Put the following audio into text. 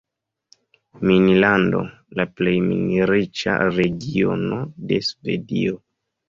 "Minlando", la plej min-riĉa regiono de Svedio.